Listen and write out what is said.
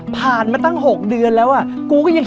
ผ่านมาตั้ง๖เดือนแล้วอะ